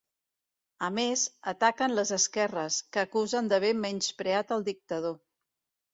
A més, ataquen les esquerres, que acusen d’haver menyspreat el dictador.